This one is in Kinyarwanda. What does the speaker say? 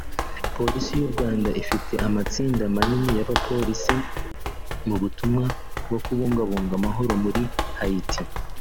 Polisi y’u Rwanda ifite amatsinda manini y’abapolisi mu butumwa bwo kubungabunga amahoro muri Haiti